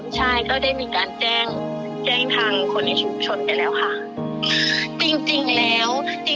ใช่ก็ได้มีการแจ้งทางคนในชุมชนได้แล้วค่ะ